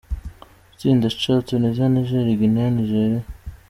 Itsinda C : Tunisia, Niger, Guinea, Nigeria.